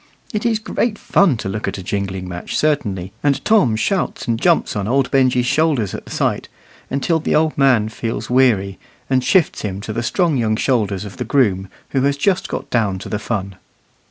It is great fun to look at a jingling match certainly, and Tom shouts and jumps on old Benjy's shoulders at the sight, until the old man feels weary, and shifts him to the strong young shoulders of the groom, who has just got down to the fun.